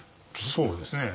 そうですね。